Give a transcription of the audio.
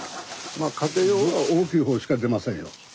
まあ家庭用大きい方しか出ませんよ。